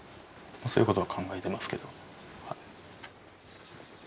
そういうことは考えてますけど。